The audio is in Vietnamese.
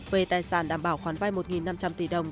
về tài sản đảm bảo khoản vay một năm trăm linh tỷ đồng